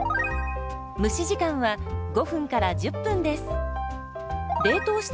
蒸し時間は５１０分です。